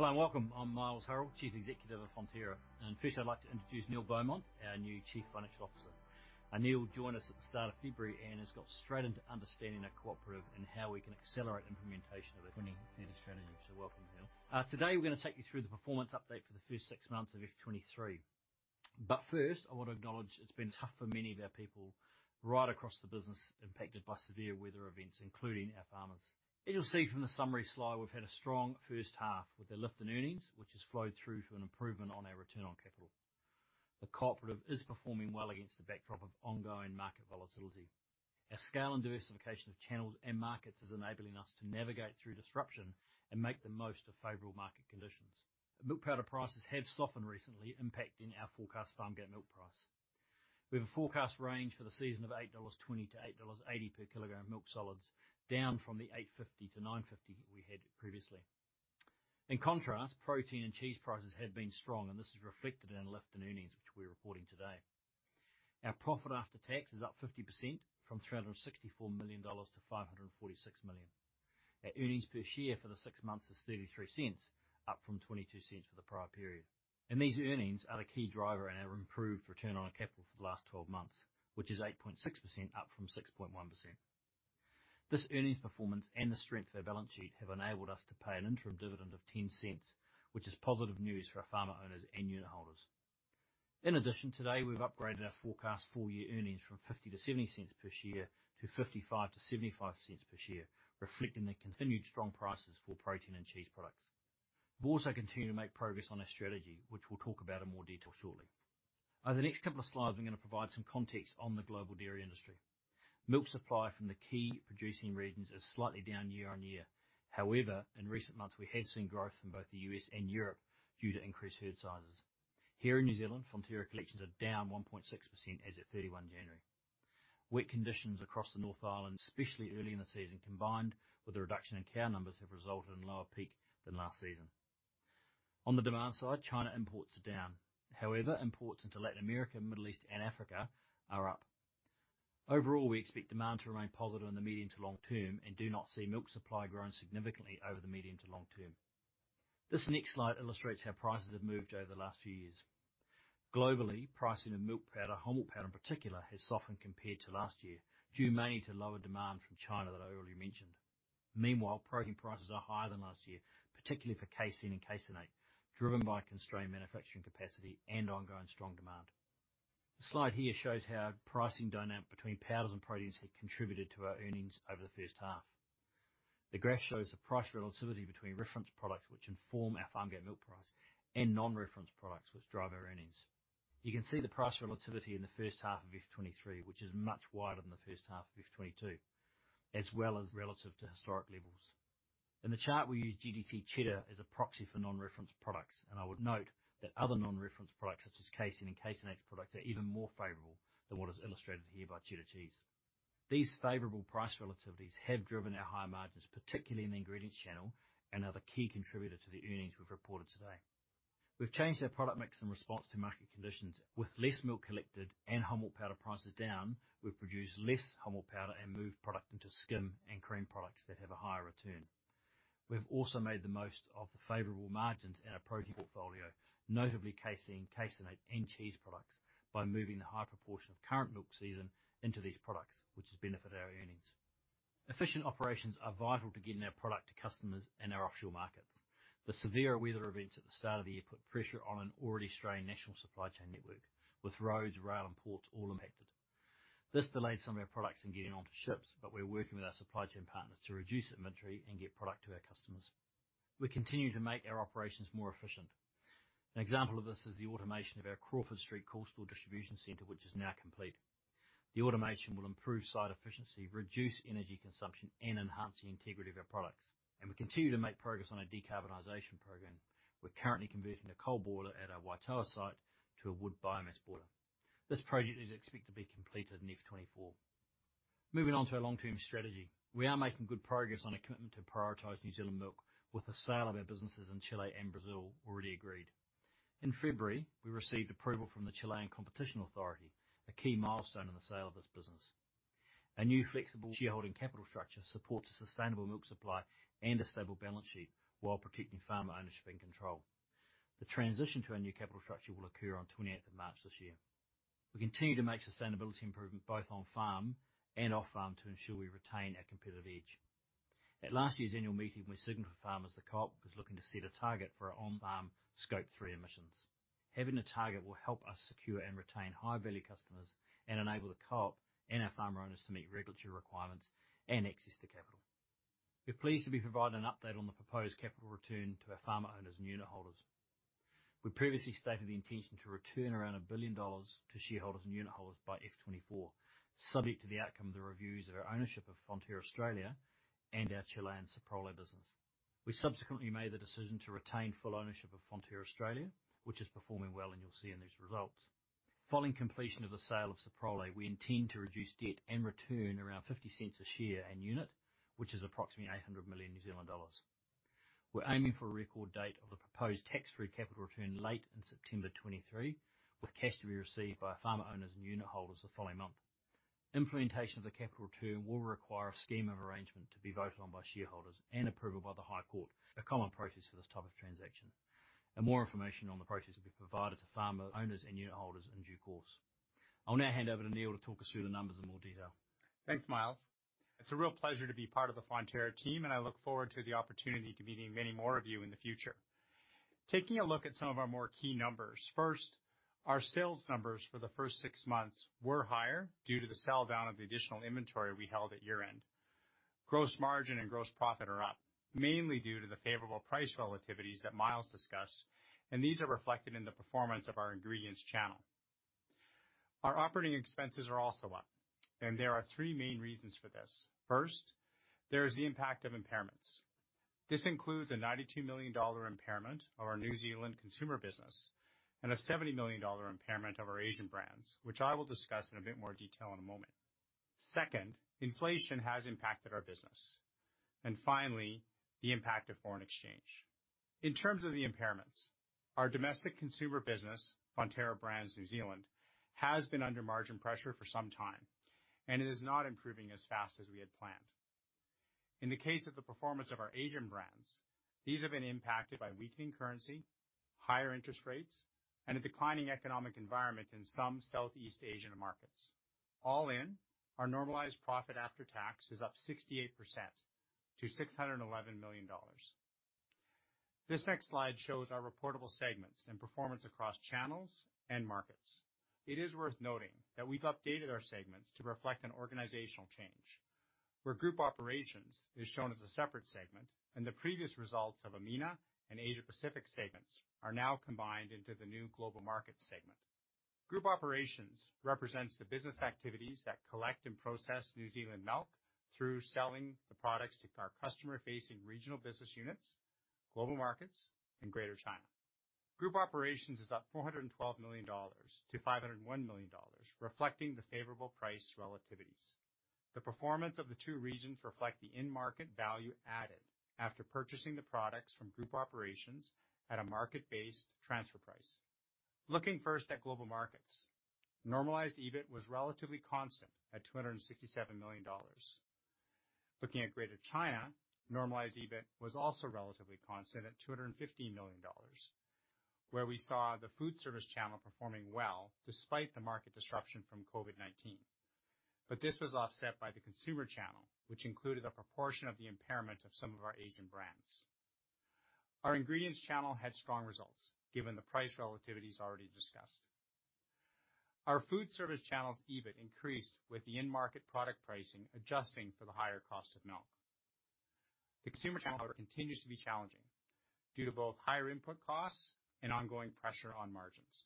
Hello, and welcome. I'm Miles Hurrell, Chief Executive of Fonterra. First, I'd like to introduce Neil Beaumont, our new Chief Financial Officer. Neil joined us at the start of February and has got straight into understanding our cooperative and how we can accelerate implementation of our 2030 strategy. Welcome, Neil. Today, we're gonna take you through the performance update for the first six months of FY 2023. First, I wanna acknowledge it's been tough for many of our people right across the business impacted by severe weather events, including our farmers. As you'll see from the summary slide, we've had a strong first half with a lift in earnings, which has flowed through to an improvement on our Return on Capital. The cooperative is performing well against the backdrop of ongoing market volatility. Our scale and diversification of channels and markets is enabling us to navigate through disruption and make the most of favorable market conditions. Milk Powder prices have softened recently, impacting our forecast farm-gate milk price. We have a forecast range for the season of 8.20-8.80 dollars per kilogram of milk solids, down from the 8.50-9.50 we had previously. In contrast, protein and cheese prices have been strong, and this is reflected in a lift in earnings, which we're reporting today. Our profit after tax is up 50% from 364 million dollars to 546 million. Our Earnings per share for the six months is 0.33, up from 0.22 for the prior period. These earnings are the key driver in our improved Return on Capital for the last 12 months, which is 8.6%, up from 6.1%. This earnings performance and the strength of our balance sheet have enabled us to pay an interim dividend of 0.10, which is positive news for our farmer owners and unitholders. In addition, today, we've upgraded our forecast full-year Earnings per share from NZD 0.50-NZD 0.70 to 0.55-0.75 per share, reflecting the continued strong prices for protein and cheese products. We've also continued to make progress on our strategy, which we'll talk about in more detail shortly. Over the next couple of slides, we're going to provide some context on the global dairy industry. Milk supply from the key producing regions is slightly down year-on-year. In recent months, we have seen growth in both the U.S. and Europe due to increased herd sizes. Here in New Zealand, Fonterra collections are down 1.6% as of 31 January. Wet conditions across the North Island, especially early in the season, combined with a reduction in cow numbers, have resulted in a lower peak than last season. On the demand side, China imports are down. Imports into Latin America, Middle East, and Africa are up. We expect demand to remain positive in the medium to long term and do not see milk supply growing significantly over the medium to long term. This next slide illustrates how prices have moved over the last few years. Globally, pricing of milk powder, Whole Milk Powder in particular, has softened compared to last year, due mainly to lower demand from China that I already mentioned. Meanwhile, protein prices are higher than last year, particularly for Casein and Caseinate, driven by constrained manufacturing capacity and ongoing strong demand. The slide here shows how pricing dynamic between powders and proteins had contributed to our earnings over the first half. The graph shows the price relativity between Reference Products which inform our farm-gate milk price and Non-Reference Products which drive our earnings. You can see the price relativity in the first half of FY 2023, which is much wider than the first half of FY 2022, as well as relative to historic levels. In the chart, we use GDT Cheddar as a proxy for Non-Reference Products, and I would note that other Non-Reference Products, such as Casein and Caseinate products, are even more favorable than what is illustrated here by Cheddar cheese. These favorable price relativities have driven our higher margins, particularly in the ingredients channel, and are the key contributor to the earnings we've reported today. We've changed our product mix in response to market conditions. With less milk collected and Whole Milk Powder prices down, we've produced less Whole Milk Powder and moved product into skim and cream products that have a higher return. We've also made the most of the favorable margins in our protein portfolio, notably Casein, Caseinate, and cheese products, by moving the high proportion of current milk season into these products, which has benefited our earnings. Efficient operations are vital to getting our product to customers in our offshore markets. The severe weather events at the start of the year put pressure on an already strained national supply chain network, with roads, rail, and ports all impacted. This delayed some of our products in getting onto ships, but we're working with our supply chain partners to reduce inventory and get product to our customers. We continue to make our operations more efficient. An example of this is the automation of our Crawford Street coastal distribution center, which is now complete. The automation will improve site efficiency, reduce energy consumption, and enhance the integrity of our products. We continue to make progress on our decarbonization program. We're currently converting a coal boiler at our Waitara site to a wood biomass boiler. This project is expected to be completed in FY 2024. Moving on to our long-term strategy. We are making good progress on a commitment to prioritize New Zealand milk with the sale of our businesses in Chile and Brazil already agreed. In February, we received approval from the Chilean Competition Authority, a key milestone in the sale of this business. A new flexible shareholding capital structure supports a sustainable milk supply and a stable balance sheet while protecting farmer ownership and control. The transition to our new capital structure will occur on 20th of March this year. We continue to make sustainability improvement both on-farm and off-farm to ensure we retain our competitive edge. At last year's annual meeting, we signaled to farmers the co-op was looking to set a target for on-farm Scope 3 emissions. Having a target will help us secure and retain high-value customers and enable the co-op and our farmer owners to meet regulatory requirements and access to capital. We're pleased to be providing an update on the proposed capital return to our farmer owners and unitholders. We previously stated the intention to return around 1 billion dollars to shareholders and unitholders by FY 2024, subject to the outcome of the reviews of our ownership of Fonterra Australia and our Chilean Soprole business. We subsequently made the decision to retain full ownership of Fonterra Australia, which is performing well, and you'll see in these results. Following completion of the sale of Soprole, we intend to reduce debt and return around 0.50 a share and unit, which is approximately 800 million New Zealand dollars. We're aiming for a record date of the proposed tax-free capital return late in September 2023, with cash to be received by farmer owners and unitholders the following month. Implementation of the capital return will require a scheme of arrangement to be voted on by shareholders and approval by the High Court, a common practice for this type of transaction. More information on the process will be provided to farmer owners and unitholders in due course. I'll now hand over to Neil to talk us through the numbers in more detail. Thanks, Miles. It's a real pleasure to be part of the Fonterra team, and I look forward to the opportunity to meeting many more of you in the future. Taking a look at some of our more key numbers. Our sales numbers for the first six months were higher due to the sell down of the additional inventory we held at year-end. Gross margin and gross profit are up, mainly due to the favorable price relativities that Miles discussed, and these are reflected in the performance of our ingredients channel. Our operating expenses are also up, and there are three main reasons for this. There is the impact of impairments. This includes a 92 million dollar impairment of our New Zealand consumer business and a 70 million dollar impairment of our Asia brands, which I will discuss in a bit more detail in a moment. Second, inflation has impacted our business. Finally, the impact of foreign exchange. In terms of the impairments, our domestic consumer business, Fonterra Brands New Zealand, has been under margin pressure for some time, and it is not improving as fast as we had planned. In the case of the performance of our Asia brands, these have been impacted by weakening currency, higher interest rates, and a declining economic environment in some Southeast Asian markets. All in, our Normalised profit after tax is up 68% to 611 million dollars. This next slide shows our reportable segments and performance across channels and markets. It is worth noting that we've updated our segments to reflect an organizational change, where Group Operations is shown as a separate segment and the previous results of AMENA and Asia-Pacific segments are now combined into the new Global Markets segment. Group Operations represents the business activities that collect and process New Zealand milk through selling the products to our customer-facing regional business units, Global Markets and Greater China. Group Operations is up 412 million dollars to 501 million dollars, reflecting the favorable price relativities. The performance of the two regions reflect the end market value added after purchasing the products from Group Operations at a market-based transfer price. Looking first at Global Markets. Normalised EBIT was relatively constant at 267 million dollars. Looking at Greater China, Normalised EBIT was also relatively constant at 250 million dollars, where we saw the food service channel performing well despite the market disruption from COVID-19. This was offset by the consumer channel, which included a proportion of the impairment of some of our Asia brands. Our ingredients channel had strong results given the price relativities already discussed. Our food service channel's EBIT increased with the end market product pricing adjusting for the higher cost of milk. The consumer channel continues to be challenging due to both higher input costs and ongoing pressure on margins.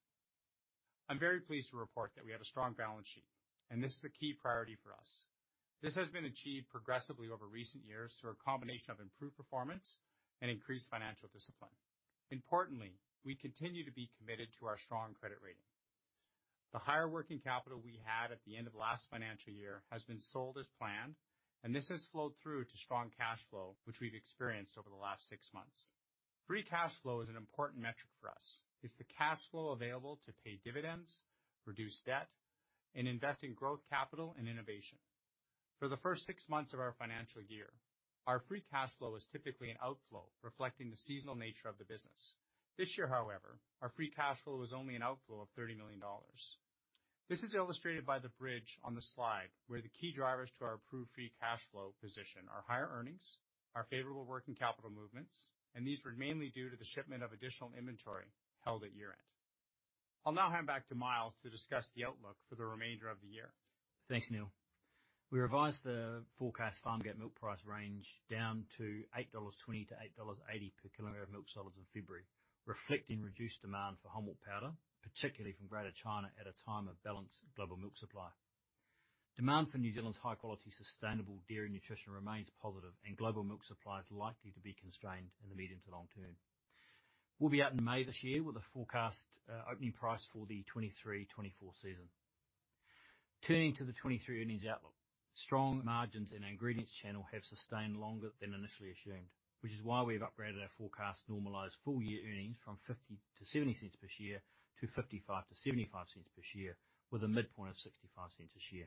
I'm very pleased to report that we have a strong balance sheet, and this is a key priority for us. This has been achieved progressively over recent years through a combination of improved performance and increased financial discipline. Importantly, we continue to be committed to our strong credit rating. The higher working capital we had at the end of last financial year has been sold as planned, and this has flowed through to strong cash flow which we've experienced over the last six months. Free cash flow is an important metric for us. It's the cash flow available to pay dividends, reduce debt, and invest in growth capital and innovation. For the first six months of our financial year, our Free cash flow is typically an outflow reflecting the seasonal nature of the business. This year, however, our Free cash flow is only an outflow of 30 million dollars. This is illustrated by the bridge on the slide, where the key drivers to our approved Free cash flow position are higher earnings, our favorable working capital movements. These were mainly due to the shipment of additional inventory held at year-end. I'll now hand back to Miles to discuss the outlook for the remainder of the year. Thanks, Neil. We revised the forecast Farm-gate milk price range down to 8.20-8.80 dollars per kilogram of milk solids in February, reflecting reduced demand for Whole Milk Powder, particularly from Greater China at a time of balanced global milk supply. Demand for New Zealand's high-quality, sustainable dairy nutrition remains positive and global milk supply is likely to be constrained in the medium to long term. We'll be out in May this year with a forecast opening price for the FY 2023-FY 2024 season. Turning to the FY 2023 earnings outlook. Strong margins in our ingredients channel have sustained longer than initially assumed, which is why we've upgraded our forecast normalized full-year earnings from 0.50-0.70 per share to 0.55-0.75 per share with a midpoint of 0.65 a share.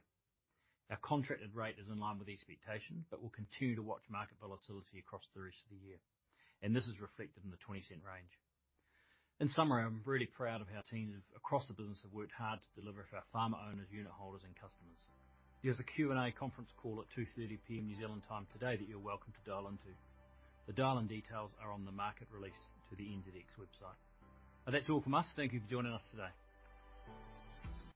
Our contracted rate is in line with expectation. We'll continue to watch market volatility across the rest of the year. This is reflected in the 0.20 range. In summary, I'm really proud of how teams across the business have worked hard to deliver for our farmer owners, unitholders, and customers. There's a Q&A conference call at 2:30 P.M. New Zealand time today that you're welcome to dial into. The dial-in details are on the market release to the NZX website. That's all from us. Thank you for joining us today.